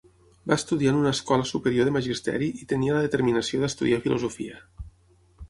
Va estudiar en una escola superior de magisteri i tenia la determinació d'estudiar filosofia.